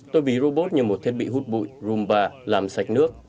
tôi bí robot như một thiết bị hút bụi roomba làm sạch nước